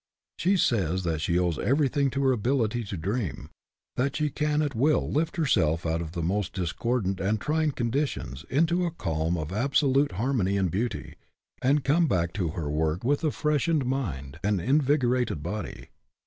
She says that she owes everything to her ability to dream; that she can at will lift herself out of the most discordant and trying conditions into a calm of absolute harmony and beauty, and come back to her work with a freshened mind and invigorated body.